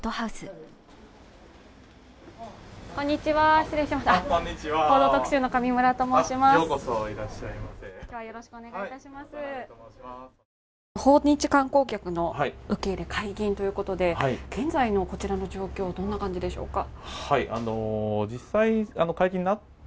訪日観光客の受け入れ解禁ということで、現在のこちらの状況、どんな感じでしょうか。